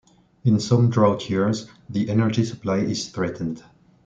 In some drought years the energy supply is threatened.